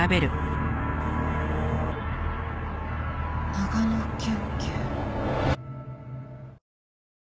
長野県警。